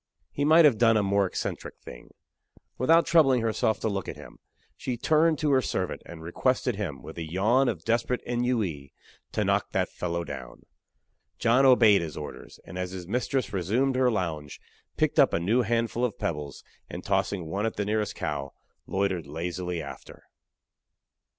He might have done a more eccentric thing. Without troubling herself to look at him, she turned to her servant and requested him, with a yawn of desperate ennui, to knock that fellow down! John obeyed his orders; and, as his mistress resumed her lounge, picked up a new handful of pebbles, and tossing one at the nearest cow, loitered lazily after.